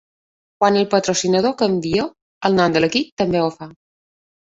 Quan el patrocinador canvia, el nom de l'equip també ho fa.